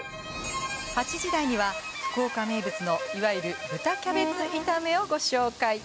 ８時台には、福岡名物のいわゆる豚キャベツ炒めをご紹介。